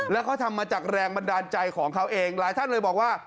แล้วเขาทำมาจากแรงบันดาลใจของเขาเองหลายท่านเลยบอกว่า